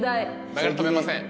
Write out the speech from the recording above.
流れ止めません。